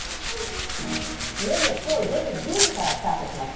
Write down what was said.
いよいよ今日夜１０時からスタートします。